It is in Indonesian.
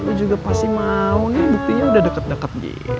lu juga pasti mau nih buktinya udah deket deket